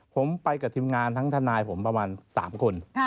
ผมไปกับทีมงานทั้งทนายผมประมาณ๓คน